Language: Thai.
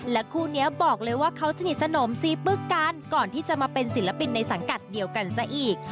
คู่นี้บอกเลยว่าเขาสนิทสนมซีปึ๊กกันก่อนที่จะมาเป็นศิลปินในสังกัดเดียวกันซะอีก